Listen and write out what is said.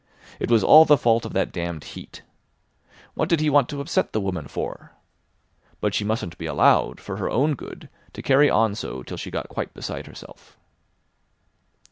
It was all the fault of that damned Heat. What did he want to upset the woman for? But she mustn't be allowed, for her own good, to carry on so till she got quite beside herself.